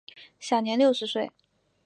享年六十岁。